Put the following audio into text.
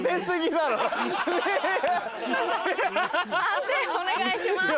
判定お願いします。